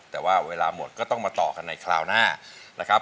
แต่ว่าเวลาหมดก็ต้องมาต่อกันในคราวหน้านะครับ